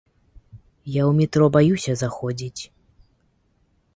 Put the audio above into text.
Я ў метро баюся заходзіць.